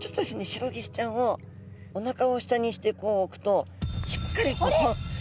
シロギスちゃんをおなかを下にしてこう置くとしっかりと。